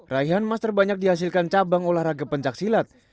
raihan emas terbanyak dihasilkan cabang olahraga pencaksilat